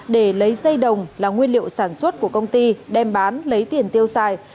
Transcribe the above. để lấy dây đồng là nguyên liệu sản xuất của công ty đem bán lấy tiền tiêu xài